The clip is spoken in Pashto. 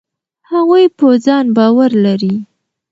هغوی په ځان باور لري.